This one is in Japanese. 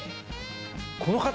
この方？